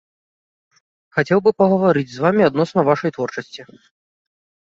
Хацеў бы пагаварыць з вамі адносна вашай творчасці.